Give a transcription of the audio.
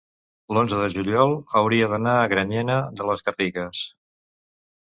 l'onze de juliol hauria d'anar a Granyena de les Garrigues.